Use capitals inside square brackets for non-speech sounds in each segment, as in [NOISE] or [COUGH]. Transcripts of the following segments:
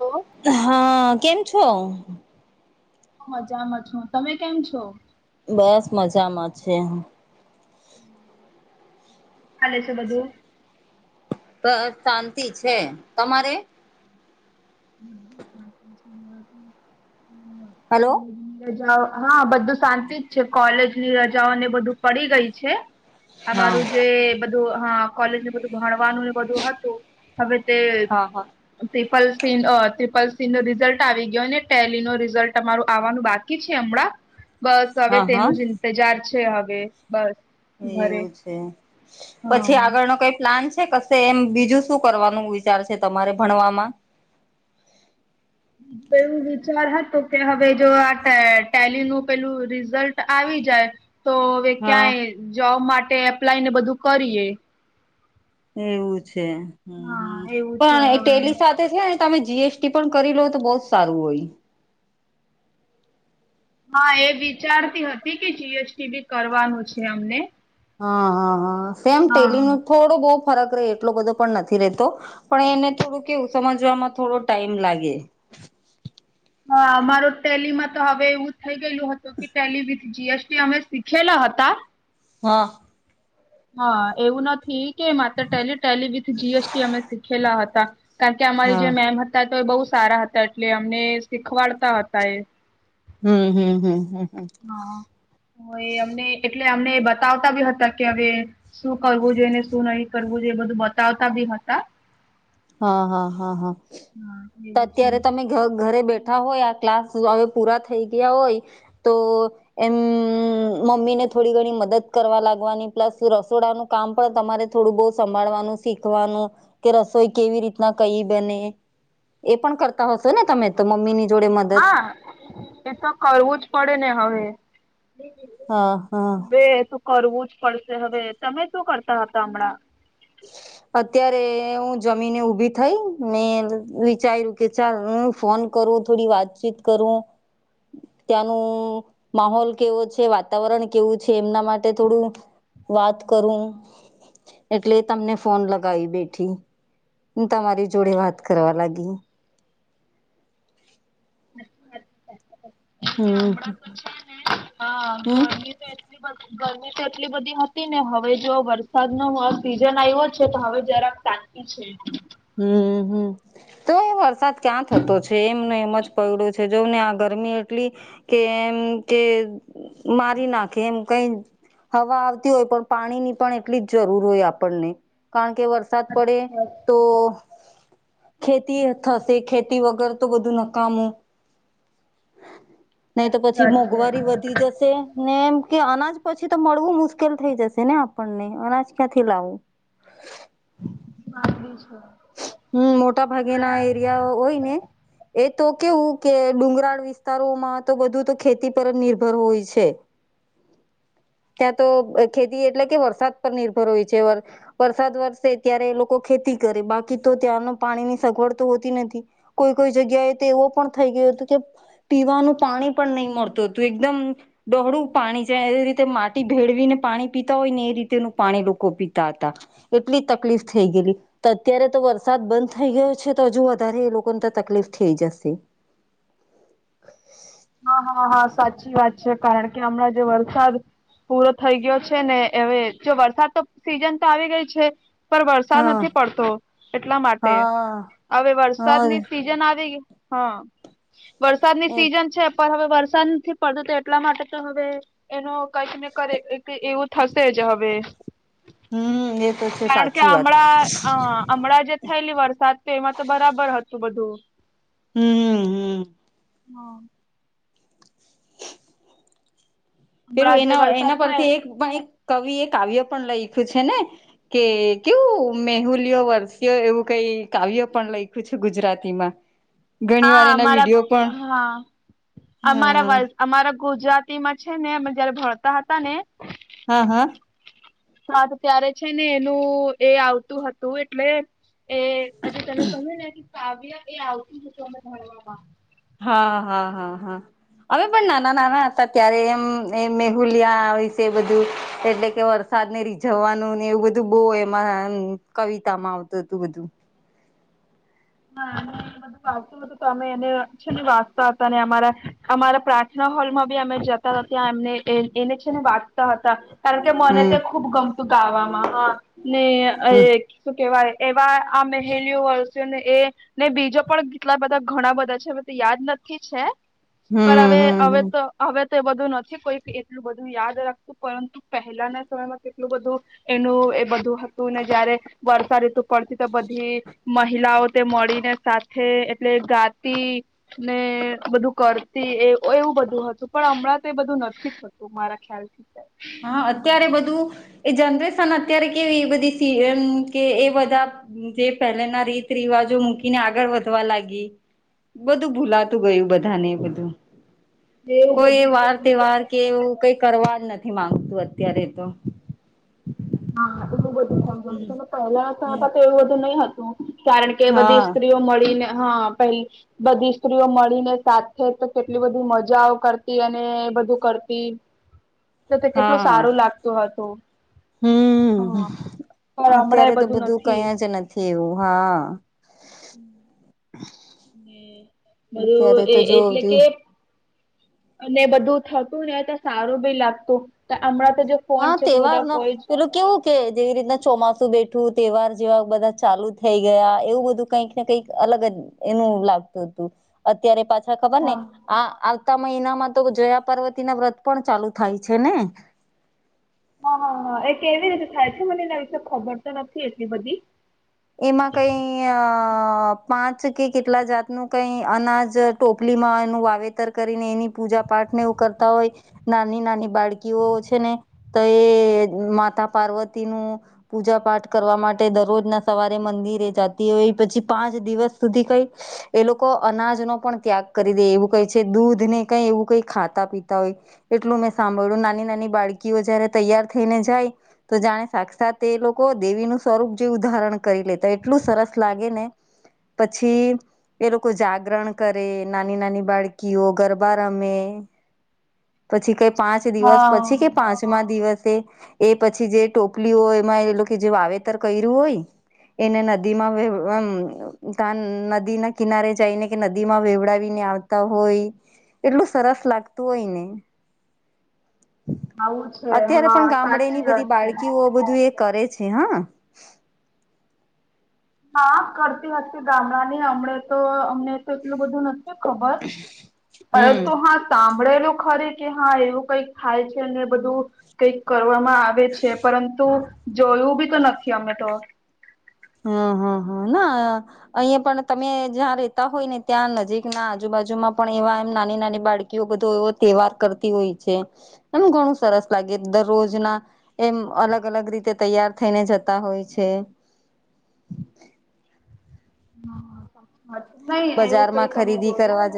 Hello. હા કેમ છો. મજામાં છું તમે કેમ છો. બસ મજામાં છે. ચાલે છે બધું. બસ શાંતિ છે તમારે. [INAUDIBLE] હલો રજાઓ હા બધું શાંતિ જ છે કોલેજ ની રજાઓને બધું પડી ગઈ છે. હા અમારું જે બધું હા કોલેજને બધું ભણવાનું. બધું હતું હવે તે હા હા પિપલ્. ત્રિપલ સીન નો રિઝલ્ટ આવી ગયો ને ટેલી નો રિઝલ્ટ અમારું આવવાનું બાકી છે હમણાં. બસ હવે હા હા તેનું જ ઇંતજાર છે હવે બસ. ઘરે એવું છે પછી હા આગળ ન કઈ પ્લાન છે કશ. એમ બીજું શું કરવાનું વિચાર છે તમારે ભણવામાં. પવું વિચાર હતો કે હવે જો આ ટેલી નું પેલું રિઝલ્ટ આવી જાય. તો હવે હા ક્યાંય જોબ માટે એપ્લાય ને બધું કરીએ. એવું છે હ હા હમ એવું છે પણ એ હવે. ટેલી સાથે. છે તમે જીએસટી પણ કરી લો તો બહ જ સારું હોય. હા એ વિચારતી હતી કે જીએસટી બી કરવાનું છે અમને હા હા હા સેમ હા. ટેલી ન થોડો બહુ ફરક રહે એટલો બધો પણ નથી રહેતો. પણ એને થોડું કેવું સમજમાં થોડો ટાઈમ લાગે. હા, મારો ટેલીમાં તો હવે એવું થઇ ગયેલું હતું કે ટેલી ભી જી એસ ટી અમે શીખેલા હતા. હા. હા, એવું નથી કે માત્ર Tally, Tally with G S T અમે શીખેલા હતા. કારણકે અમારી જે હા મેમ હતા તો એ બહુ સારા હતા, એટલે અમને શીખવાડતા હતા એ. હમ્મ, હમ્મ, હમ્મ હા, તો એ અમને એટલે અમને બતાવતા બી હતા કે હવે શું કરવું જોઈએ ને શું નહી કરવું જોઈએ, એ બધું બતાવતા બી હતા. હા હા હા હા, હા તો એવું છે. અત્યારે તમે ઘરે બેઠા હોય, આ ક્લાસ હવે પૂરા થઈ ગયા હોય તો એમ મમ્મીને થોડી ઘણી મદદ કરવા લાગવાની પ્લસ રસોડાનું કામ પણ તમારે થોડું બહુ સંભાળવાનું શીખવાનું કે રસોઈ કેવી રીતના કઈ બને, એ પણ કરતા હશો ને તમે તો મમ્મી ની જોડે મદદ? એતો કરવું જ પડે ને હવે, હા હા બે કરવુંજ પડશે હવે, તમે શું કરતા હતા હમણાં? [INAUDIBLE] અત્યારે હું જમીને ઉભી થઈ મેને વિચાર્યું કે ચાલ હ ફોન કરું થોડી વાતચીત કરું. ત્યાંનું માહોલ કેવો છે વાતાવરણ કેવું છે એમના માટે થોડું વાત કરું. એટલે તમને ફોન લગાવી બેઠી, તમારી જોડે વાત કરવા લાગી. હમ ામડા તો છે ને હ હમ ગરમી તો એટલી બ ગરમી તો એટલી બધી હતી ને હવે જો વરસાદ ન સિઝન આવ્યો છે તો હવે જરાક શાંતિ છે. હમ હમ, તો એ વરસાદ ક્યાં થતો છે એમને એમ જ પડ્યું છે જો ને આ ગરમી લી, કે એ મ કે એમ કે મારી નાખે એમ કઈ હવા આવતી હોય પણ પાણી ની પણ એટલી જ જરૂર હોય આપણને. કારણ કે વરસાદ પડે તો સાચી ખેતી થશે ખેતી વગર તો બધું નકામું. નહી તો પછી વાત છે. મોંઘવારી વધી જશે. ને એમ કે અનાજ પછી તો મળવું મુશ્કેલ થઈ જશે ને આપણને અનાજ ક્યાંથી લાવું. બ છે [UNINTELLIGIBLE] હમ મોટા ભાગે ના એરિયા હોય ને. એ તો કેવું કે ડુંગરાળ વિસ્તારોમાં તો બધું તો ખેતી પર જ નિર્ભર હોય છે. ત્યાં તો ખેતી એટલે કે વરસાદ પર નિર્ભર હોય છે, વર- વરસાદ વરસે ત્યારે લોકો ખેતી કરે બાકી તો ત્યાંનો પાણી ની સગવડ તો હોતી નથી. કોઈ કોઈ જગ્યાએ તો એવો પણ થઈ ગયો હતું કે પીવાનું પાણી પણ નહી મળતું તું એકદમ ડોહળું પાણી છે એ રી તે માટી ભેળવીને પાણી પીતા હોય ને એ રીતેનું પાણી લોકો પીતા હતા. એટલી તકલીફ થઈ ગયેલી. તો અત્યારે તો વરસાદ બંધ થઈ ગયો છે તો હજુ વધારે એ લોકોને તો તકલીફ થઈ જશે. હા હા હા સાચી વાત છે કારણ કે હમણાં જે વરસાદ પૂરો થઈ ગયો છે ને હવે જો વરસાદ તો સીઝન તો આવી ગઈ છે. પણ વરસાદ હા નથી પડતો, એટલા માટે હા હવે હા એ વરસાદની સિઝન આવી ગઈ હા, વરસાદની સિઝન છે પણ હવે વરસાદ નથી પડતો તો એટલા માટે તો હવે એનો કંઈક ને કરે એવું થશે જ હવે, હમ એ તો છે કારણ કે સાચી વાત હમણાં આ હમણાં જે થયેલી વરસાદ તો એમાં તો બરાબર હતું બધું. હમ્મ હમ્મ. હા. પેલું હમણાં જે એના એના વરસાદ પરથી થાય એક પણ એક કવિ એ કાવ્ય પણ લઈખ્યું છે ને? કે કેવું મેહુલીયો વર્ષીયો એવું કઈ કાવ્ય પણ લઈખું છે ગુજરાતીમાં. હ [INAUDIBLE] હા અમારા હા, હ અમારા વલ અમારા ગુજરાતી માં છે ને અમે જ્યારે ભણતા હતા ને હા હા. હા તો ત્યારે છે ને એનું એ આવતું હતું એટલે એ અજે તને કહ્યું ને કે કાવ્ય એ આવતું અમે ભણવામાં. હા, હા હા હા. અમે પણ નાના નાના હતા ત્યારે એમ એ મેહુલિયા વિશે બધું એટલે કે વર સાદ ને રીઝવવાનું ને એવું બધું બો એમાં કવિતા માં આવતું હતું બધું. હા ને બધું આવતું હતું તો અમે એને છે વાંચતા હતા અને અમારા અમારા પ્રાર્થના હોલ માં બી અમે જ તા ત્યાં એમને એ એને છે ને વાત તા હતા કારણ કે મને હમ ત્યા ખુબ ગમતું ગાવામાં હા ને હમ એ શું કેવાય એવા આ મેહેલ્યો વર્સીઓને એ ને બીજો પણ કેટલા બધા ઘણા બધા છે હવે તો યાદ નથી છે. પણ હમ હવે હમ હવે હમ તો હવે તો એ બધું નથી કોઈ એટલું બધું યાદ રાખ તું પરંતુ પેહલાના સમયમાં કેટલું બધું એનું એ બધું હતું ને જ્યારે વર્ષા ઋતુ પડતી તો બધી મહિલાઓ તે મળીને સાથે એટલે ગાતી. ને બધું કરતી એ એવું બધું હતું પણ હમણાં તો એ બધું નથી થ તું મારા ખ્યાલ થી કે. હા અત્યારે બધું એ જનરેશન અત્યારે કેવી એ બધી સિઝન કે એ બધા જે પેહલેના રીત રિવાજો મૂકીને આગળ વધવા લાગી. બધું ભૂલાતું ગયું બધાને બધું. એવું કોઈ બધું છે વાર અને તેહવાર પહેલા કે એવું કઈ કરવા જ નથી માંગતું અત્યારે તો હા એવું બધું થઈ ગયું છે ને પેહલા તો [UNINTELLIGIBLE] તો એવું બધું નઈ હતું. કારણ કે બધી હા સ્ત્રીઓ મળીને હ પેહ બધી સ્ત્રીઓ મળીને સાથે તો કેટલી બધી મજાઓ કરતી અને બધું કરતી. [INAUDIBLE] [INAUDIBLE] તો તે કેટલું સારું લાગતું હતું. હમ્મ, હા પણ હમણાં અત્યારે એ તો બધું નથી કઈ જ નથી એવું હા. [INAUDIBLE] હમ્મ બધું અત્યારે એ તો એટલે કે જો અને બધું થતું ને તો સારું બી લાગતું તે અમણાં હા તેહવાર નો પેલું કેવું કે જેવી રીતના ચોમાસું બેઠું તેહવાર જેવા બધા ચાલુ થઈ ગયા, એવું બધું કંઈક ને કંઈક અલગ જ એનું લાગતું હતું. અત્યારે પાછા ખબર ને હા આ આવતા મહિનામાં તો જયા પાર્વતીના વ્રત પણ ચાલુ થાય છે ને? હા હા હા એ કેવી રીતે થાય છે? મને એના વિશે ખબર તો નથી એટલી બધી. એમાં કઈ પાંચ કે કેટલા જાતનું કઈ અનાજ ટોપલીમાં એનું વાવેતર કરીને એની પૂજા પાઠ ને એવું કરતા હોય. નાની નાની બાળકીઓ છે ને તો એ માતા પાર્વતી નું પૂજા પાઠ કરવા માટે દરરોજના સવારે મંદિરે જાતી હોય, પછી પાંચ દિવસ સુધી કઈ એ લોકો અનાજ નો પણ ત્યાગ કરી દે એવું કહે છે. દૂધ ને કઈ એવું કઈ ખાતા પીતા હોય એટલું મેં સાંભળ્યું નાની નાની બાળકીઓ જયારે તૈયાર થઈને જાય. તો જાણે સાક્ષાત એ લોકો દેવીનું સ્વરૂપ જેવું દાહરણ કરી લેતા એટલું સરસ લાગે ને પછી એ લોકો જાગરણ કરે નાની નાની બાળકીઓ ગરબા રમે પછી કઈ પાંચ દિવસ હા પછી કે પાંચમા દિવસે એ પછી જે ટોપલી હોય એમાં એ લોકો જે વાવેતર કર્યું હોય એને નદી માં [UNINTELLIGIBLE] ત નદી ના કિનારે જઈને કે નદી માં વેવડાવીને આવ હોય એટલું સરસ લાગતું હોય ને આવું છે અત્યારે હા પણ સાચી ગામડેની બધી વાત છે બાળકીઓ બધું એ કરે છે હા હા કરતી હતી ગામડા ની હમણા તો અમને તો એટલું બધું નથી ખબર હમ પરંતુ હા ત સા ભણેડેલું ખરે કે હા એવું કઈક થાય છે ને બધું કંઈક કરવામાં આવે છે પરંતુ જોયું બી તો નથી અમે તો હમ હમ હા ના અહીં પણ તમે જ્યાં રેતા હોય ને ત્યાં નજીકના આજુબાજુમાં પણ એવા એમ નાની નાની બાળકી બધો એવો તહેવાર કરતી હોય છે એમ ઘણું સરસ લાગે દરરોજના એમ અલગ અલગ રીતે તૈયાર થઈને જતા હોય છે. હા. હ નહી એવું કઈ બજારમાં તમે ખરીદી જોયું કરવા જ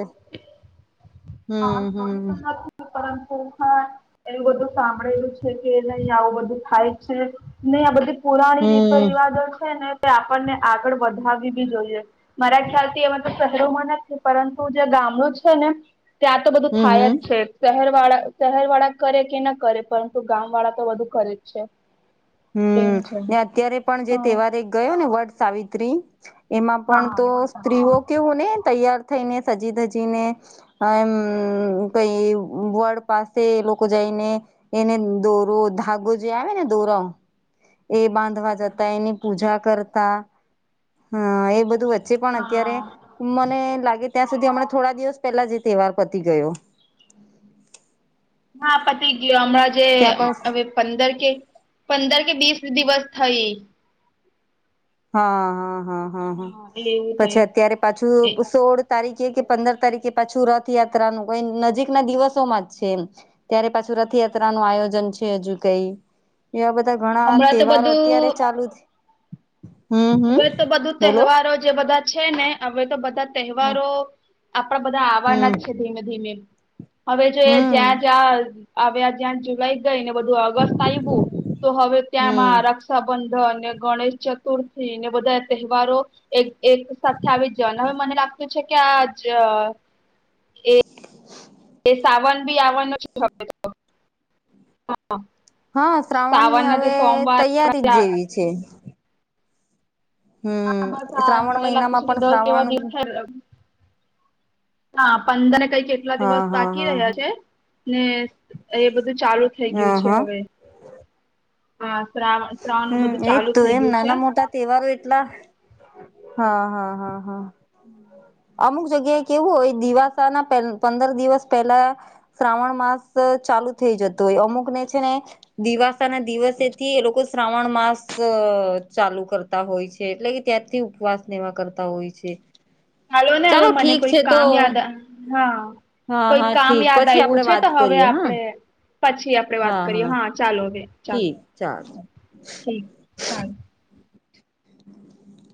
હા હમ જોયું તો હમ નથી પરંતુ હા એવું બધું સાંભળેલું છે કે નહી આવું બધું થાય છે નહી આ બધું પુરાણી રીતો હમ રિવાજો છે ને તે આપણને આગળ વધાવી જોઈએ મારા ખ્યાલ થી એ મતલબ શહેરોમાં નથી પરંતુ જે ગામડું છે ને ત્યાં તો બધું હમ થાય જ હમ છે. શહેર વાળા શહેર વાળા કરે કે ના કરે પરંતુ ગામ વાળા તો વધુ કરે જ છે. હમ એવું છે ને અત્યારે પણ જે હા તહેવાર એક ગયો ને વટ સાવિત્રી એમાં પણ તો હા સ્ત્રીઓ કેવો ને તૈયાર થઈને સજી ધજીને એમ કઈ વર્ડ પાસે લોકો જઈને. એને દોરો ધાગો જે આવે ને દોરે એ બાંધવા જતા એની પૂજા કરતા હ એ બધું ્ચે પણ અત્યારે હા મને લાગે ત્યાં સુધી હમણા થોડા દિવસ પહેલા જે તહેવાર પતી ગયો. હા પતિ ગયો અમણા જે ત્યાં પણ હવે પંદર કે પંદર કે વીસ દિવસ થઈ હા હા હા હા હા એટલે એવું પછી થયું અત્યારે એ પાછું સોળ તારીખે કે પંદર તારીખે પાછું રથયાત્રા નું કઈ નજીક ના દિવસોમાં જ છે એમ ત્યારે પાછું રથયાત્રા નું આયોજન છે હજુ કઈ એવા બધા ઘણા હમણાં તો તહેવાર અત્યારે બધું ચાલુ હમ હમ હવે તો બધું બોલો તહેવારો જે બધા છે ને હવે તો બધા હમ તહેવારો આપણા બધા આવવાના જ છે ધીમે ધીમે હવે જો એ હમ જ્યાં જ્યાં આવ્યા જ્યાં જુલાઈ ગઈ ને બધું ઓગસ્ટત આવ્યું તો હવે ત્યાંમાં હમ રક્ષા બંધન અને ગણેશ ચતુર્થી ને બધા તહેવારો એક એક સાથે આવી જન હવે મને લાગતું છે કે આ જ એ એ સાવન બી આવનું શ હવે તો હા શ્રાવણ ની સાવનના જે હવે સોમવાર તૈયારી આપણા જ જેવી છે. હા બસ હમ આ શ્રાવણ મને લાગતું છે કે મહિનામાં સુધી પણ દસ એવા શ્રાવણ દિવસ થાય. હા પઅંદને કઈ કે કેટલા દિવસ હા હા બાકી હા રહ્યા છે ને એ બધું ચાલુ થઈ ગયું હા છે હા હવે. હા શ્રાવ હમ એજ તું એમ નાના મોટા તહેવારો એટલા હા હા હા હા હમ અમુક જગ્યાએ કેવું હોય દિવાસા ના પંદર દિવસ પહેલા શ્રાવણ માસ ચાલુ થઈ જતો હોય અમુક ને છે ને દિવાસા ના દિવસેથી એ લોકો શ્રાવણ માસ ચાલુ કર તા હોય છે એટલે કે ત્યાંથી ઉપવાસનેવા કરતા હોય છે હાલો ને હવે ચાલો મને ઠીક કોઈ છે તો કામ યાદ આ હા હા કોઈ હા કામ ઠીક યાદ પછી આયવું આપડે છે વાત તો હવે કરીએ હા આપડે પછી આપડે વાત કરીએ હા ચાલો બે ચાલો ઠીક ચાલો [INAUDIBLE]